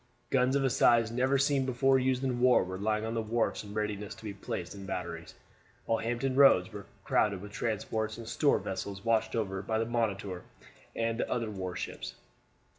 Guns of a size never before used in war were lying on the wharfs in readiness to be placed in batteries, while Hampton Roads were crowded with transports and store vessels watched over by the Monitor and the other war ships.